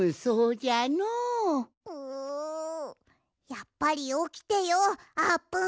やっぱりおきてようあーぷん。